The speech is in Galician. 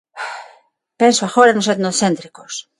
Penso agora nos etnocéntricos.